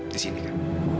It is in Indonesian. di sini kak